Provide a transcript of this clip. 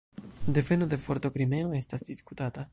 Deveno de vorto "Krimeo" estas diskutata.